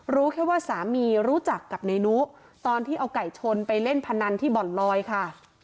รู้แค่ว่าสามีรู้จักกับนายนุตอนที่เอาไก่ชนไปเล่นพนันที่บ่อนลอยค่ะ